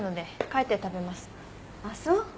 あっそう。